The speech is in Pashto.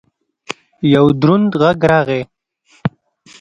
یو دروند غږ راغی!